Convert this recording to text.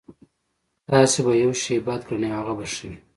تاسې به يو شی بد ګڼئ او هغه به ښه وي.